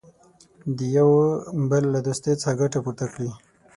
د یوه بل له دوستۍ څخه ګټه پورته کړي.